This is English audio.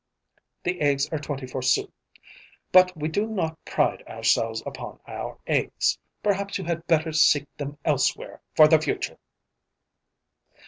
The eggs are twenty four sous but we do not pride ourselves upon our eggs. Perhaps you had better seek them elsewhere for the future!"